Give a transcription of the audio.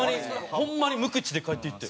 ホンマに無口で帰っていって。